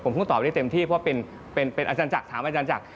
ผมคงตอบได้เต็มที่เพราะว่าเป็นอัจจักรถามอัจจักร